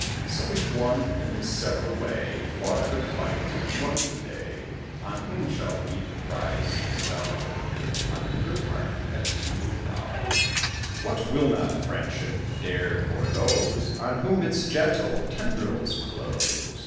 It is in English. So each one, in his several way, Fought a good fight, and won the day. On whom shall we the prize bestow? On the good heart, as you'll allow. What will not friendship dare for those On whom its gentle tendrils close?